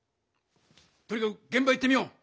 とにかくげん場行ってみよう。